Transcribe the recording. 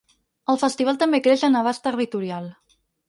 El festival també creix en abast territorial.